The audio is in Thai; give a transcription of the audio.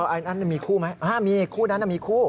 อันนั้นมีคู่ไหมมีคู่นั้นมีคู่